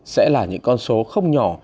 sẽ là những con số không nhỏ